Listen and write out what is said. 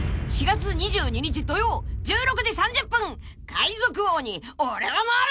［海賊王に俺はなる！］